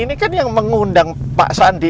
ini kan yang mengundang pak sandi